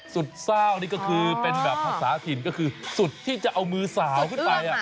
สุดเศร้านี่ก็คือเป็นแบบภาษาถิ่นก็คือสุดที่จะเอามือสาวขึ้นไป